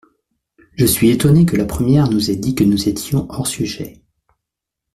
Je suis étonnée que la première nous ait dit que nous étions hors sujet.